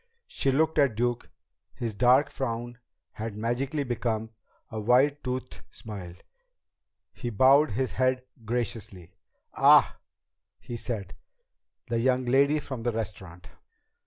She looked at Duke. His dark frown had magically become a white toothed smile. He bowed his head graciously. "Ah," he said, "the young lady from the restaurant."